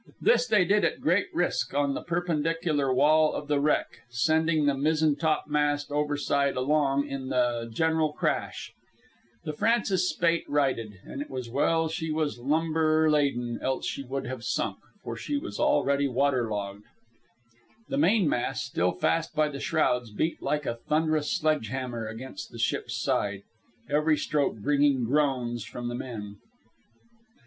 This they did at great risk on the perpendicular wall of the wreck, sending the mizzentopmast overside along in the general crash. The Francis Spaight righted, and it was well that she was lumber laden, else she would have sunk, for she was already water logged. The mainmast, still fast by the shrouds, beat like a thunderous sledge hammer against the ship's side, every stroke bringing groans from the men.